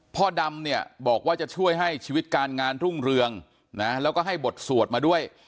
พ่อดำเนี่ยบอกว่าจะช่วยให้ชีวิตการงานรุ่งเรืองนะแล้วก็ให้บทสวดมาด้วย